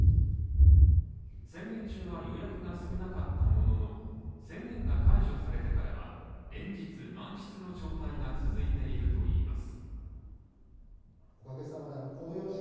宣言中は予約が少なかったものの、宣言が解除されてからは連日満室の状態が続いているといいます。